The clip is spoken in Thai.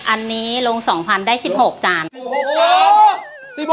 อันนี้ลงสองพันได้๑๖จาน